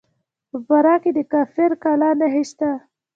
په فراه کې د کافر کلا نښې شته